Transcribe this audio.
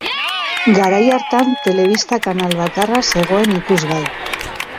Garai hartan, telebista-kanal bakarra zegoen ikusgai.